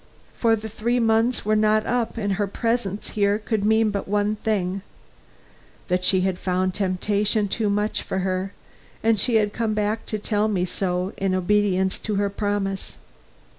For the three months were not up and her presence here could mean but one thing she had found temptation too much for her, and she had come back to tell me so in obedience to her promise.